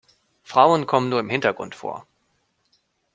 Frauen kommen nur im Hintergrund vor.